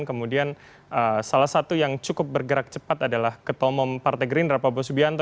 kemudian salah satu yang cukup bergerak cepat adalah ketua umum partai gerindra prabowo subianto